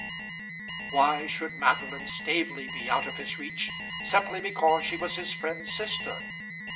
Why should Madeline Staveley be out of his reach, simply because she was his friend's sister?